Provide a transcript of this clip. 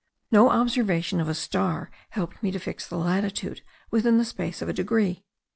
No observation of a star helped me to fix the latitude within the space of a degree.